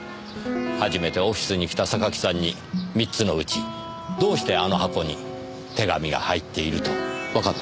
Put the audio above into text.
初めてオフィスに来た榊さんに３つのうちどうしてあの箱に手紙が入っているとわかったのでしょうねえ？